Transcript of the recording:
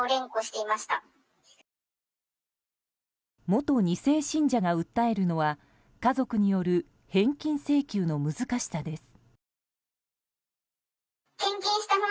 元２世信者が訴えるのは家族による返金請求の難しさです。